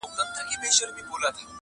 له ښکاري کوترو چا وکړل سوالونه -